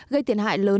gây tiền hại lớn